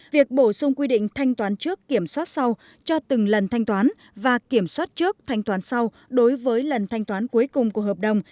việc bổ sung quy định thanh toán trước kiểm soát sau cho từng lần thanh toán và kiểm soát trước thanh toán sau đối với lần thanh toán cuối cùng của hợp đồng